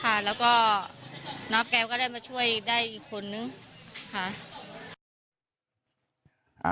ค่ะแล้วก็น้องแกก็ได้มาช่วยได้อีกคนนึงค่ะ